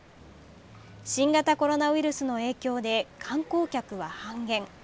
新型コロナウイルスの影響で観光客は半減。